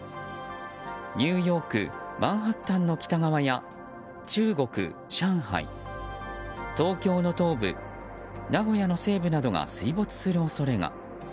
ニューヨーク・マンハッタンの北側や、中国・上海東京の東部、名古屋の西部などが水没する恐れが。